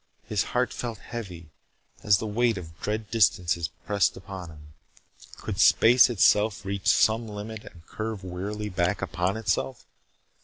His heart felt heavy as the weight of dread distances pressed upon him. Could space itself reach some limit and curve wearily back upon itself?